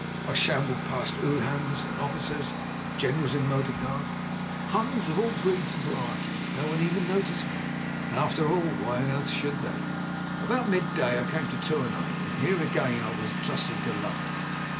I shambled past Uhlans, and officers and generals in motor cars — Huns of all breeds and all varieties, and no one even noticed me. And after all, why on earth should they ? "About midday I came to Tournai ; and here again I was trusting to luck.